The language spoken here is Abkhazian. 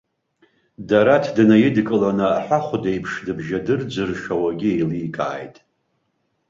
Дараҭ днаидкыланы аҳәахәдеиԥш дыбжьадырӡыр шауагьы еиликааит.